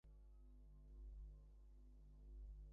Porifera পর্বের অধিকাংশ প্রাণী সামুদ্রিক।